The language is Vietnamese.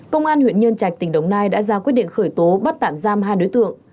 công an huyện nhân trạch tỉnh đồng nai đã ra quyết định khởi tố bắt tạm giam hai đối tượng